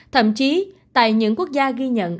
thậm chí tại những quốc gia ghi nhận